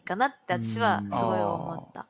私はすごい思った。